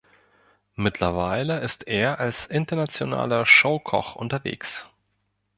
Mittlerweile ist er als internationaler Show-Koch unterwegs.